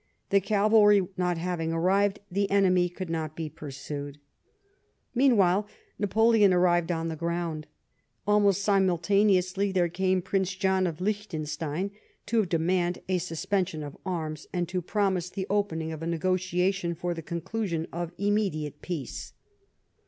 The cavalry not having arrived, the enemy could not be pursued. Meanwhile Napoleon arrived on the ground. Almost simultaneously there came Prince John of Liechtenstein to demand a suspension of arms, and to promise the opening of a negotiation for the conclusion of immediate peace.